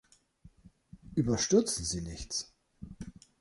Überstürzen Sie nichts.